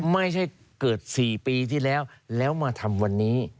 ไม่ใช่เกิด๔ปีที่แล้วแล้วมาทำวันนี้